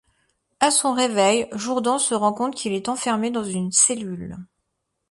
À son réveil, Jourdan se rend compte qu'il est enfermé dans une cellule.